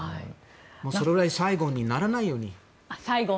それぐらい最後にならないように。